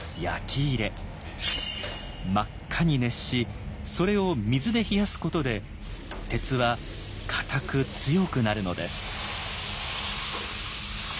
真っ赤に熱しそれを水で冷やすことで鉄は硬く強くなるのです。